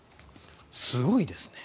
すごいですね。